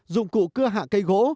dùng cụ cưa hạ cây gỗ